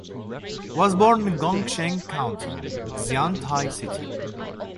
Was born in Gongcheng County, Xiantai City.